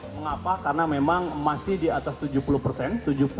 mengapa karena memang masih di atas tujuh puluh persen